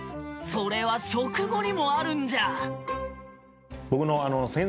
それは食後にもあるんじゃ！